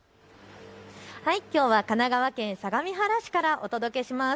きょうは神奈川県相模原市からお届けします。